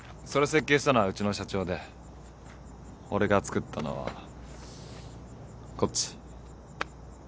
それ設計したのはうちの社長で俺が造ったのはこっち。